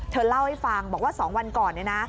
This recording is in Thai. เธอเล่าให้ฟังบอกว่า๒วันก่อนเนี่ยนะ